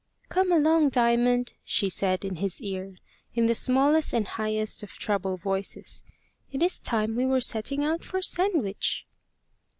"Come along, Diamond," she said in his ear, in the smallest and highest of treble voices; "it is time we were setting out for Sandwich."